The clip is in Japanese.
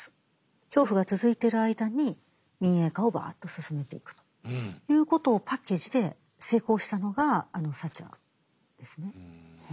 恐怖が続いてる間に民営化をバーッと進めていくということをパッケージで成功したのがあのサッチャーですね。